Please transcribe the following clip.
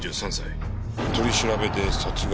取り調べで殺害を自白。